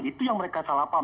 itu yang mereka salah paham